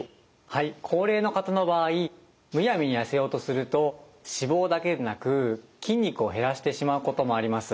はい高齢の方の場合むやみにやせようとすると脂肪だけでなく筋肉を減らしてしまうこともあります。